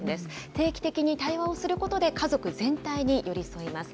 定期的に対話をすることで、家族全体に寄り添います。